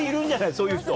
そういう人。